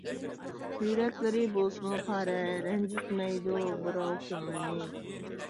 يۈرەكلىرى بولسىمۇ پارە، رەنجىتمەيدۇ بىراۋ كۆڭلىنى.